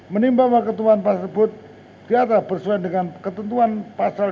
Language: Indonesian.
menimbang bahwa ketentuan pasal tersebut tidaklah bersuai dengan ketentuan pasal